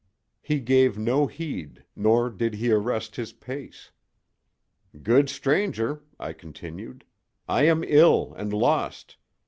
He gave no heed, nor did he arrest his pace. "Good stranger," I continued, "I am ill and lost.